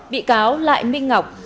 bị cáo lại minh ngọc